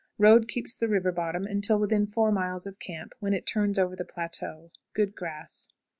Road keeps the river bottom until within four miles of camp, when it turns over the plateau. Good grass.